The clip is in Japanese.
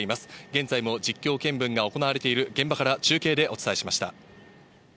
現在も実況見分が行われている現場から中継でお伝えしました。